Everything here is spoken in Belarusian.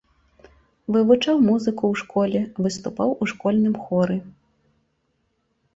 Вывучаў музыку ў школе, выступаў у школьным хоры.